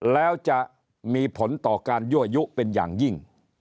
แล้วจะมีผลต่อการยั่วยุเป็นอย่างยิ่ง